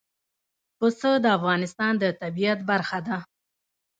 پسه د افغانستان د طبیعت برخه ده.